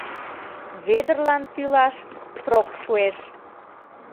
— Вӧдырлан тӱлаш срок шуэш.